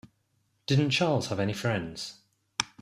Didn't Charles have any friends?